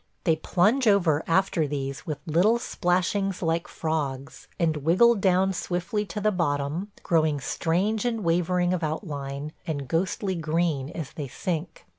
They plunge over after these with little splashings like frogs, and wiggle down swiftly to the bottom, growing strange and wavering of outline and ghostly green as they sink.